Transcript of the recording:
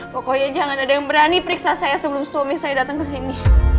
pokoknya jangan ada yang berani periksa saya sebelum suami saya datang ke sini